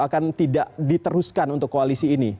akan tidak diteruskan untuk koalisi ini